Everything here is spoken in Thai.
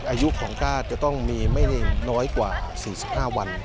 อายุของกล้าจะต้องมีไม่น้อยกว่า๔๕วัน